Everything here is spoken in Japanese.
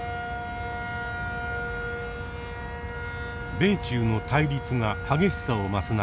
米中の対立が激しさを増す中